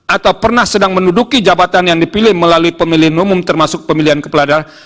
atau pernah sedang menduduki jabatan yang dipilih melalui pemilihan umum termasuk pemilihan kepala daerah